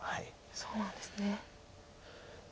そうなんですね。